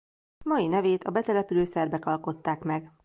Mai nevét a betelepülő szerbek alkották meg.